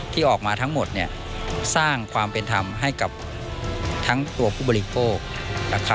ที่ออกมาทั้งหมดสร้างความเป็นธรรมให้กับทั้งตัวผู้บริโภค